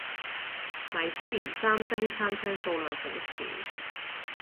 米芝蓮三星餐廳數量好少